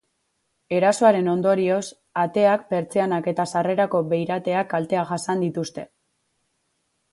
Erasoaren ondorioz, ateak, pertsianak eta sarrerako beirateak kalteak jasan dituzte.